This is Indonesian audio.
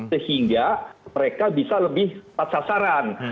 sehingga mereka bisa lebih pasasaran